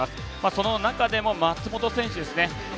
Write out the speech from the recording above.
その中でも、松元選手ですね。